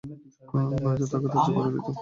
নয়তো ওকে ত্যায্য করে দিতাম।